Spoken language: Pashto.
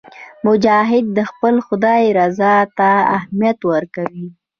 مجاهد د خپل خدای رضا ته اهمیت ورکوي.